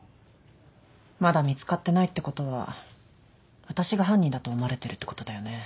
まだ見つかってないってことは私が犯人だと思われてるってことだよね。